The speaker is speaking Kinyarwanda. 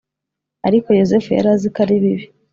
ariko Yozefu yari azi ko ari bibi